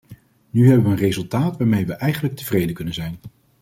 Nu hebben we een resultaat waarmee we eigenlijk tevreden kunnen zijn.